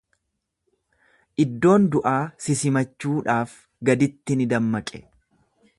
Iddoon du’aa si simachuudhaaf gaditti ni dammaqe.